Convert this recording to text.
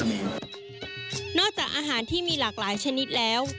ก็มีปลาอาหารที่มีหลากหลายชนิดแล้ว